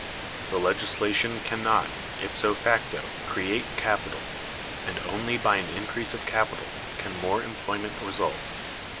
The legislation can not, ipso facto, create capital, and only by an increase of capital can more employment result.